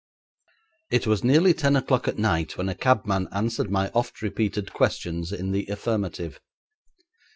It was nearly ten o'clock at night when a cabman answered my oft repeated questions in the affirmative.